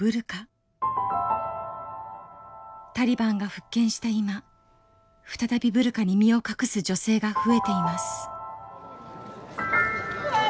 タリバンが復権した今再びブルカに身を隠す女性が増えています。